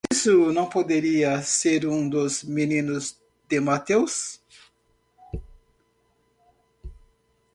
Isso não poderia ser um dos meninos de Mateus?